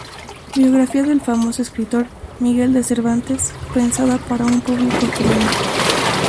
Biografía del famoso escritor Miguel de Cervantes pensada para un público juvenil.